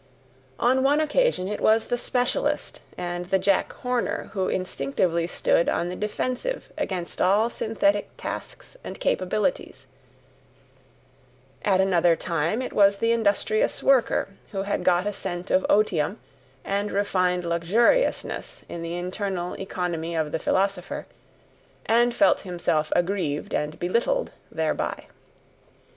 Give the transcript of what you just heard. On one occasion it was the specialist and the Jack Horner who instinctively stood on the defensive against all synthetic tasks and capabilities; at another time it was the industrious worker who had got a scent of OTIUM and refined luxuriousness in the internal economy of the philosopher, and felt himself aggrieved and belittled thereby.